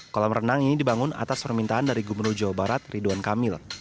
kolam renang ini dibangun atas permintaan dari gubernur jawa barat ridwan kamil